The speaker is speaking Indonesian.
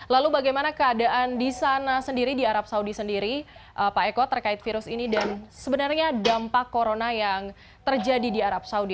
lalu bagaimana keadaan di sana sendiri di arab saudi sendiri pak eko terkait virus ini dan sebenarnya dampak corona yang terjadi di arab saudi